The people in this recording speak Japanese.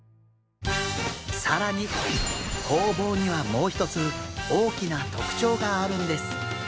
更にホウボウにはもう一つ大きな特徴があるんです。